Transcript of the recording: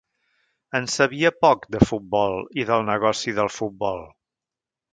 En sabia poc de futbol i del negoci del futbol.